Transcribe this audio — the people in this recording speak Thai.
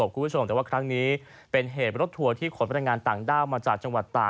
คุณผู้ชมแต่ว่าครั้งนี้เป็นเหตุรถทัวร์ที่ขนพนักงานต่างด้าวมาจากจังหวัดตา